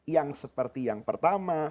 yang seperti yang pertama